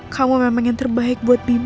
kamu memang yang terbaik buat bima